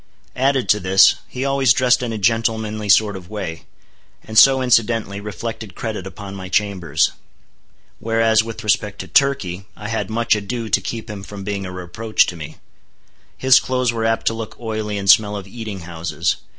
Added to this, he always dressed in a gentlemanly sort of way; and so, incidentally, reflected credit upon my chambers. Whereas with respect to Turkey, I had much ado to keep him from being a reproach to me. His clothes were apt to look oily and smell of eating houses.